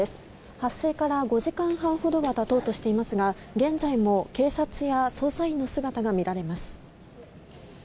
発生から５時間半ほどが経とうとしていますが現在も警察や捜査員の姿が見られます。